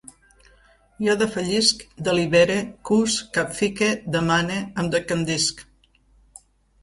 Jo defallisc, delibere, cus, capfique, demane, em decandisc